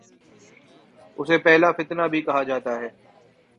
اسے پہلا فتنہ بھی کہا جاتا ہے